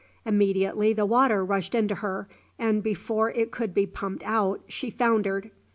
Immediately the water rushed into her, and before it could be pumped out she foundered.